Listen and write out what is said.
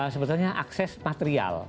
sebetulnya akses material